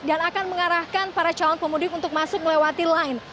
dan akan mengarahkan para calon pemudik untuk masuk melewati line